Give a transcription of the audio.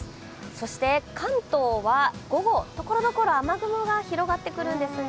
そして関東は午後、ところどころ雨雲が広がってくるんですね。